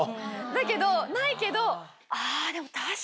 だけどないけど。